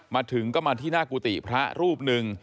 มาถึงก็มาที่หน้ากุฏิพระรูปหนึ่ง